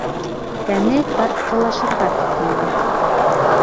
Тәне тартҡылашырға тотондо.